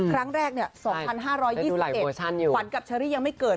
ครั้งแรก๒๕๒๑ขวัญกับเชอรี่ยังไม่เกิด